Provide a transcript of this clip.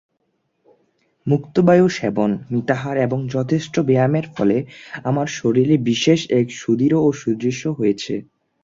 মুক্তবায়ু-সেবন, মিতাহার এবং যথেষ্ট ব্যায়ামের ফলে আমার শরীর বিশেষ সুদৃঢ় ও সুদৃশ্য হয়েছে।